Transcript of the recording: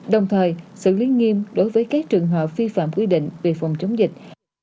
đồng thời xử lý nghiêm đối với các trường hợp vi phạm quy định về phòng chống dịch